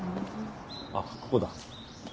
あっここだ。